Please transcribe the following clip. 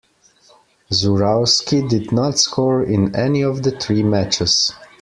Zurawski did not score in any of the three matches.